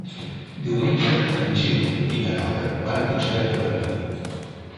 Diumenge en Gil i na Nora van a Puigverd d'Agramunt.